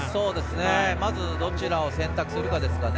まずどちらを選択するかですね。